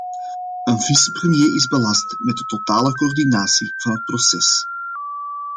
Een vicepremier is belast met de totale coördinatie van het proces.